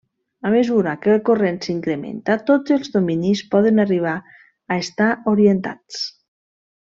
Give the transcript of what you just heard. A mesura que el corrent s'incrementa tots els dominis poden arribar a estar orientats.